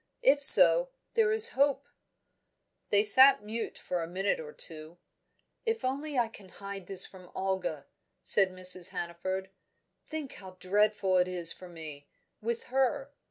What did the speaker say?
If so, there is hope." They sat mute for a minute or two. "If only I can hide this from Olga," said Mrs. Hannaford. "Think how dreadful it is for me, with her!